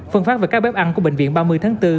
phân phát về các bếp ăn của bệnh viện ba mươi tháng bốn